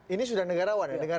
ini sudah negarawan ya